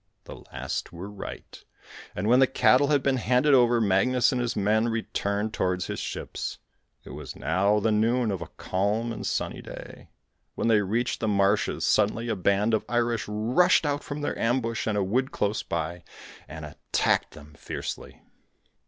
The last were right, and when the cattle had been handed over, Magnus and his men returned towards his ships. It was now the noon of a calm and sunny day. When they reached the marshes, suddenly a band of Irish rushed out from their ambush in a wood close by, and attacked them fiercely.